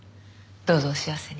どうぞお幸せに。